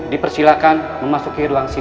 dipersilakan memasuki ruang sini